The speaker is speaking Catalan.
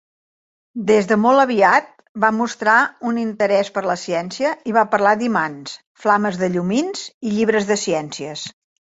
Des de molt aviat, va mostrar un interès per la ciència i va parlar d'imants, flames de llumins i llibres de ciències.